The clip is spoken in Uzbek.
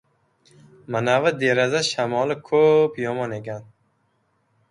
— Manavi deraza shamoli ko‘p yomon ekan.